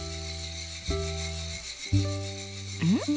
うん？